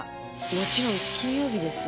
もちろん金曜日です。